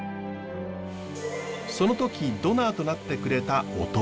その時ドナーとなってくれた弟。